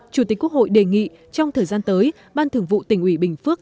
chủ tịch quốc hội đề nghị trong thời gian tới ban thường vụ tỉnh ủy bình phước